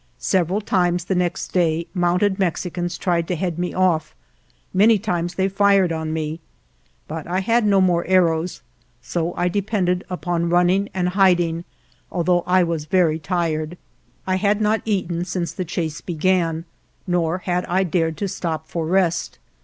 Several times the next day mounted Mexicans tried to head me off; many times they fired on me, but I had no more arrows; so I depended upon running and hiding, although I was very tired. I had not eaten since the chase began, nor had I dared to stop for rest.